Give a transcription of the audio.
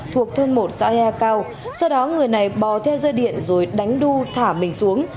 thuộc thôn một xã ya cao sau đó người này bò theo dây điện rồi đánh đu thả mình xuống